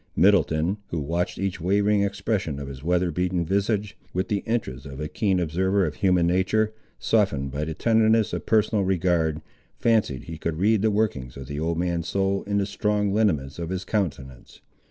Middleton, who watched each wavering expression of his weather beaten visage, with the interest of a keen observer of human nature, softened by the tenderness of personal regard, fancied he could read the workings of the old man's soul in the strong lineaments of his countenance.